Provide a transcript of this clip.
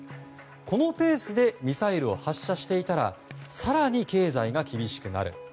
このペースでミサイルを発射していたら更に経済が厳しくなる。